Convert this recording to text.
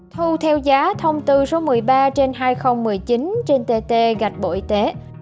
thu theo giá thông tư số một mươi ba trên hai nghìn một mươi chín trên tt gạch bộ y tế